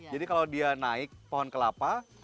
jadi kalau dia naik pohon kelapa